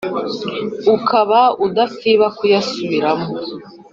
ukaba udasiba kuyasubiramo